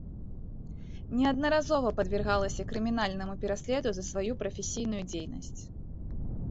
Неаднаразова падвяргалася крымінальнаму пераследу за сваю прафесійную дзейнасць.